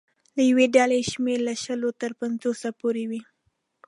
د یوې ډلې شمېر له شلو تر پنځوسو پورې وي.